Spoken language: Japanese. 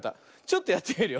ちょっとやってみるよ。